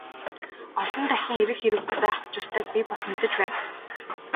Олон дахин ирэх хэрэггүй байх учиртайг би бас мэдэж байна.